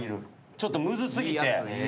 ちょっとむずすぎて。